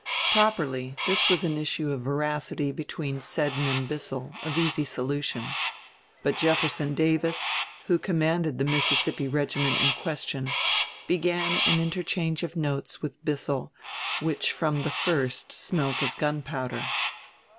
Properly this was an issue of veracity between Seddon and Bissell, of easy solution. But Jefferson Davis, who commanded the Mississippi regiment in question, began an interchange of notes with Bissell which from the first smelt of gunpowder.